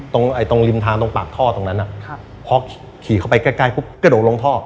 ตรงริมทางตรงปากท่อตรงนั้นพอขี่เข้าไปใกล้ปุ๊บกระโดดลงท่อ